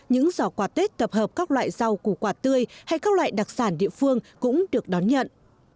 những giỏ quà tết tập hợp các loại rau củ quả tươi hay các loại đặc sản địa phương cũng được đón nhận